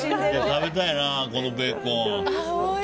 食べたいな、このベーコン。